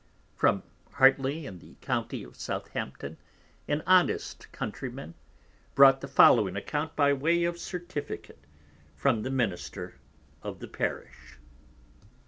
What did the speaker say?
From Hartley in the County of Southampton_, an honest Countryman brought the following Account by way of Certificate, from the Minister of the Parish.